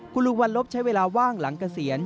คุณลุงวันลบใช้เวลาว่างหลังเกษียณ